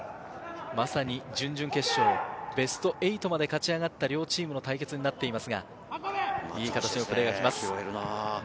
準々決勝、ベスト８まで勝ち上がった両チームの対決になっています。